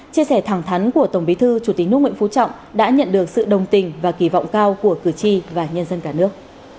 chia sẻ thẳng thắn của tổng bí thư chủ tịch nước nguyễn phú trọng đã nhận được sự đồng tình và kỳ vọng cao của cử tri và nhân dân cả nước